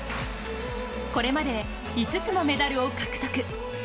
これまで５つのメダルを獲得。